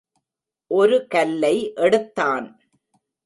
ஒரு கல்லை எடுத்தான்.